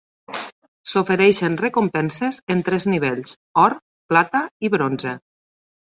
S'ofereixen recompenses en tres nivells: or, plata i bronze.